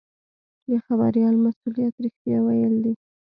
د خبریال مسوولیت رښتیا ویل دي.